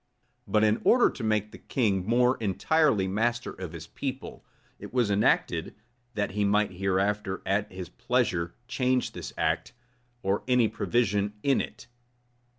But in order to make the king more entirely master of his people, it was enacted, that he might hereafter, at his pleasure, change this act, or any provision in it.